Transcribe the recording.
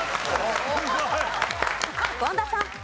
権田さん。